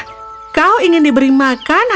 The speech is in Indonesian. apa yang salah